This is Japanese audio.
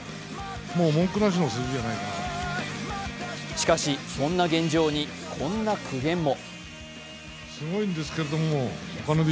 しかし、そんな現状にこんな苦言も。